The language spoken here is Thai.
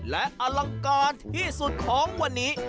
และอลังการที่สุดของวันนี้